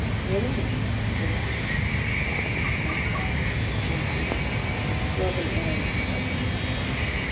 "" Willingly," said I. " My son," returned he, " you have an air of doubt."